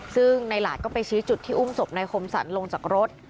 ซึ่งนายหลาดก็ไปชี้จุดที่อุ้มศพนายคมสรรลงจากรถ